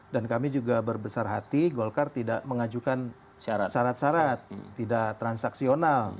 dan kami juga berbesar hati golkar tidak mengajukan syarat syarat tidak transaksional